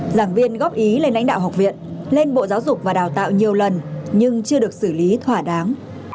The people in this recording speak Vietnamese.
giảng viên góp ý lên lãnh đạo học viện lên bộ giáo dục và đào tạo nhiều lần nhưng chưa được xử lý thỏa đáng